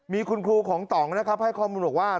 มีคุณครูของต่องนะครับให้ข้อมูลบอกว่า